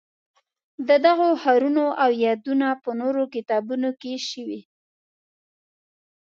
د دغو ښارونو یادونه په نورو کتابونو کې شوې.